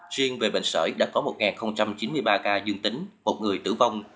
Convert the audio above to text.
chuyên về bệnh sởi đã có một chín mươi ba ca dương tính một người tử vong